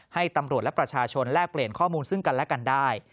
ให้ตำรวจและประชาชนแลกเปลี่ยนข้อมูลซึ่งกันและกันได้